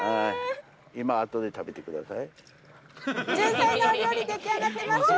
今、あとで食べてください。